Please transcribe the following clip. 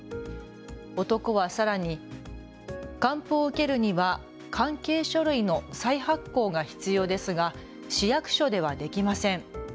男はさらに還付を受けるには関係書類の再発行が必要ですが市役所ではできません。